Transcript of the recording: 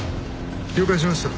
了解しました。